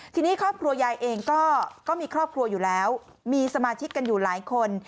ทีนี้ครอบครัวยายเองก็มีครอบครัวอยู่แล้วมีสมาชิกกันอยู่หลายคน